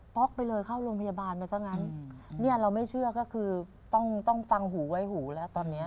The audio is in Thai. ๊อกไปเลยเข้าโรงพยาบาลไปซะงั้นเนี่ยเราไม่เชื่อก็คือต้องต้องฟังหูไว้หูแล้วตอนเนี้ย